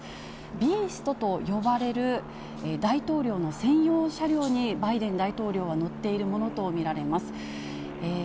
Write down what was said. ビーストと呼ばれる大統領の専用車両に、バイデン大統領は乗っているものと見られます。